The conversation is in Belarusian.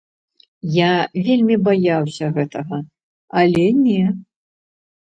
Я вельмі баяўся гэтага, але не.